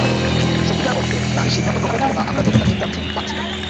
সত্যিকার অর্থে, নারীর সিদ্ধান্ত গ্রহণের ক্ষমতা আমরা যতটা ঠিক চাচ্ছি, পাচ্ছি না।